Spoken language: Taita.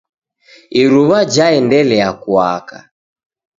iruw'a jaendelia kuaka.